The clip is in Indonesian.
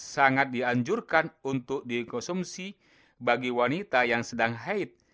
sangat dianjurkan untuk dikonsumsi bagi wanita yang sedang haid